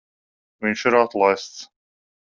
Viņš ir atlaists.